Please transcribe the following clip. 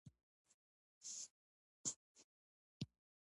وینه په شپږ ثانیو کې ټول بدن ګرځي.